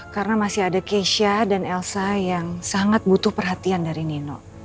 karena masih ada keisha dan elsa yang sangat butuh perhatian dari neno